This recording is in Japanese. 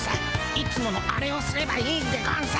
いつものアレをすればいいんでゴンス。